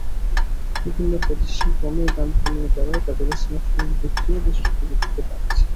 বিভিন্ন প্রতিষ্ঠান ক্রমেই দাম কমিয়ে দেওয়ায় তাদের স্মার্টফোনের বিক্রিও বেশ দ্রুতগতিতে বাড়ছে।